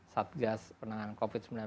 satgas penanganan covid sembilan belas